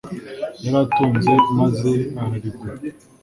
yari atunze maze ararigura